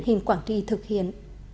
hình quảng trị thực hiện